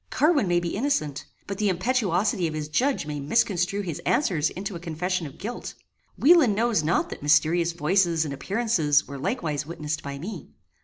Carwin may be innocent, but the impetuosity of his judge may misconstrue his answers into a confession of guilt. Wieland knows not that mysterious voices and appearances were likewise witnessed by me.